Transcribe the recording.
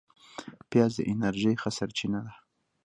پیاز د انرژۍ ښه سرچینه ده